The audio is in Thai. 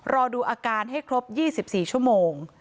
รอดูอาการให้ครบ๒๔ชั่วโมง